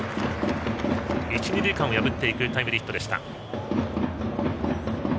一、二塁間を破っていくタイムリーヒットでした。